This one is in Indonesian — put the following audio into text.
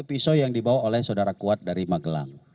pisau yang dibawa oleh saudara kuat dari magelang